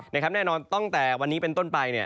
แน่นอนตั้งแต่วันนี้เป็นต้นไป